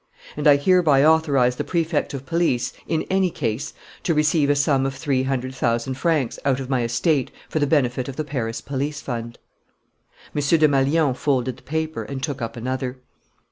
And I hereby authorize the Prefect of Police in any case to receive a sum of three hundred thousand francs out of my estate for the benefit of the Paris Police Fund.'" M. Desmalions folded the paper and took up another.